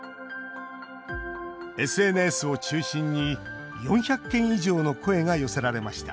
ＳＮＳを中心に４００件以上の声が寄せられました